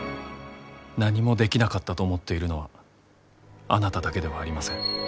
何もできなかったと思っているのはあなただけではありません。